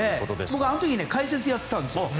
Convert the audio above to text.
僕あの時解説やっていたんですよ。